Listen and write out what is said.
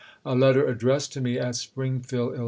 A letter addressed to me at Springfield, lU.